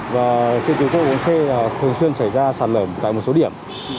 và trên tiểu thông bốn c thường xuyên xảy ra sạt lở tại một số điểm